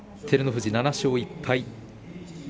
照ノ富士、７勝１敗。